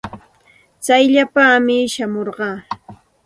Tsayllapaami shamurqaa.